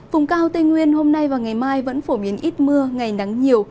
vùng cao tây nguyên hôm nay và ngày mai vẫn phổ biến ít mưa ngày nắng nhiều